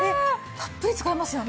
たっぷり使えますよね。